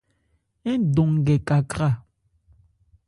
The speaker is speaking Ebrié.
Ń dɔn nkɛ kakrâ.